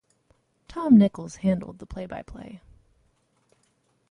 Tom Nichols handled the play-by-play.